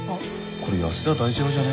これ安田大二郎じゃね？